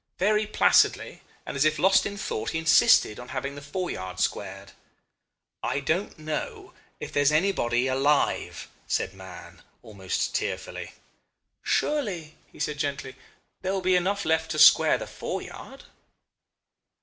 Very placidly, and as if lost in thought, he insisted on having the foreyard squared. 'I don't know if there's anybody alive,' said Mahon, almost tearfully. 'Surely,' he said gently, 'there will be enough left to square the foreyard.